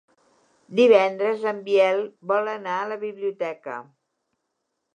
Divendres en Biel vol anar a la biblioteca.